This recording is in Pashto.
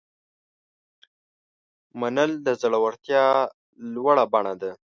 منل د زړورتیا لوړه بڼه ده.